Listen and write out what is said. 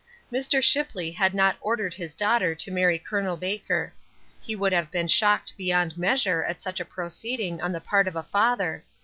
Mr. Shipley had not ordered his daughter to marry Col. Baker. He would have been shocked beyond measure at such a proceeding on the part of a father.